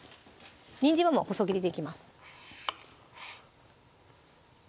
にんじんはもう細切りでいきます